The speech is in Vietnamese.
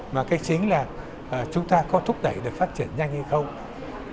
mà cái chính là chúng ta có thúc đẩy được phát triển nhanh hay không